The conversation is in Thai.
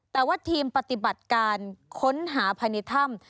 แต่ว่าทีมปฏิบัติการค้นหาภายในถ้ำ